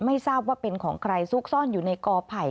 ไม่ทราบว่าเป็นของใครซุกซ่อนอยู่ในกอไผ่